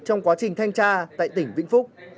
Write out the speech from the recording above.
trong quá trình thanh tra tại tỉnh vĩnh phúc